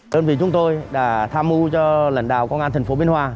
đơn vị chúng tôi đã tham mưu cho lãnh đạo công an tp biên hòa